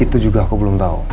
itu juga aku belum tahu